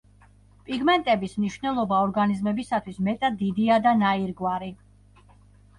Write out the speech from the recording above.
პიგმენტების მნიშვნელობა ორგანიზმებისათვის მეტად დიდია და ნაირგვარი.